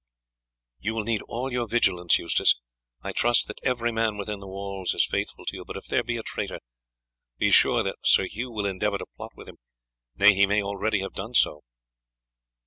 "You will need all your vigilance, Eustace. I trust that every man within the walls is faithful to us; but if there be a traitor, be sure that Sir Hugh will endeavour to plot with him, nay, he may already have done so."